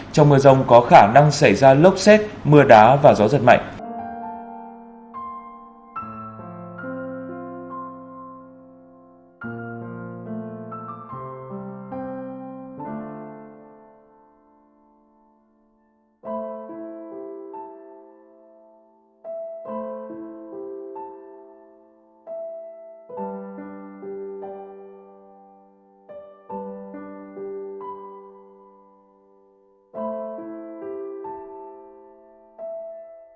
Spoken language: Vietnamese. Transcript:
trong mưa rông có khả năng xảy ra lốc xét mưa đá và gió giật mạnh